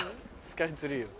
スカイツリーを。